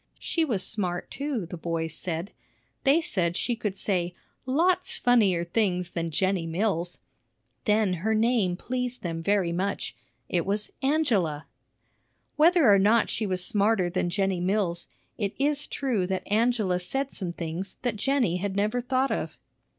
She was "smart," too, the boys said; they said she could say "lots funnier things than Jennie Mills." Then her name pleased them very much; it was Angela. Whether or not she was smarter than Jennie Mills, it is true that Angela said some things that Jennie had never thought of.